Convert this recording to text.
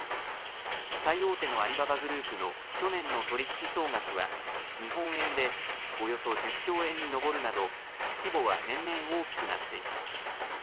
最大手のアリババグループの去年の取り引き総額は、日本円でおよそ１０兆円に上るなど、規模は年々大きくなっています。